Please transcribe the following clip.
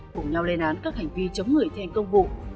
cùng nhau lên án các hành vi chống người thi hành công vụ